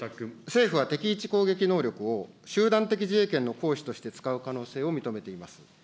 政府は、敵基地攻撃能力を集団的自衛権の行使として使う可能性を認めています。